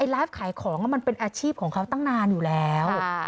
ไลฟ์ขายของมันเป็นอาชีพของเขาตั้งนานอยู่แล้ว